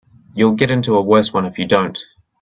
You'll get into a worse one if you don't.